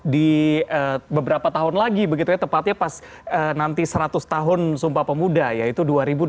di beberapa tahun lagi begitu ya tepatnya pas nanti seratus tahun sumpah pemuda yaitu dua ribu dua puluh